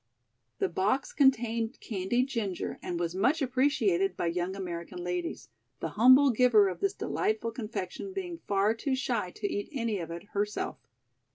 The box contained candied ginger and was much appreciated by young American ladies, the humble giver of this delightful confection being far too shy to eat any of it herself.